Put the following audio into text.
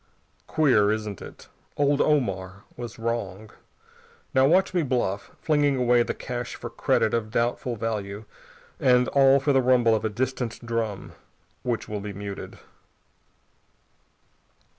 Queer, isn't it? Old Omar was wrong. Now watch me bluff, flinging away the cash for credit of doubtful value, and all for the rumble of a distant drum which will be muted!"